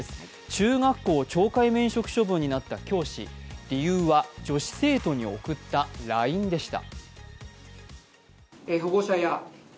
中学校を懲戒免職処分になった教師、理由は女子生徒に送ったＬＩＮＥでした。